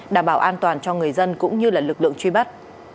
đảm bảo an toàn cho người dân cũng như lực lượng truy bắt